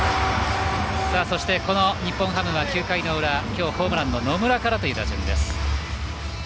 日本ハムが９回の裏きょうホームランの野村からという打順です。